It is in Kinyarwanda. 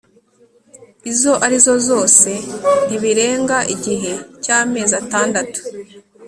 izo arizo zose ntibirenga igihe cy amezi atandatu